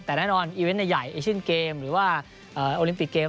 แต่แน่นอนอีเวนต์ใหญ่เอเชียนเกมหรือว่าโอลิมปิกเกม